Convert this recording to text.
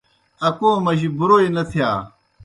اکو مجیْ بُرَوئی نہ تِھیا۔